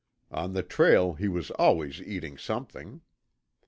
On the trail he was always eating something.